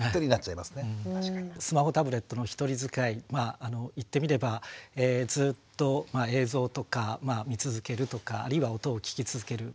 スマホタブレットの一人使い言ってみればずっと映像とか見続けるとかあるいは音を聴き続ける。